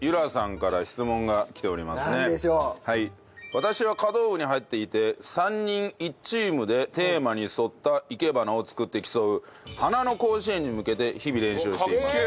私は華道部に入っていて３人１チームでテーマに沿った生け花を作って競う花の甲子園に向けて日々練習しています。